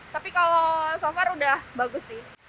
tapi kalau so far udah bagus sih